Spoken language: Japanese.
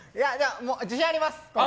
自信あります！